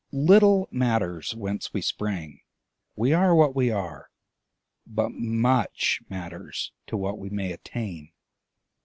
Little matters whence we sprang; we are what we are. But much matters to what we may attain.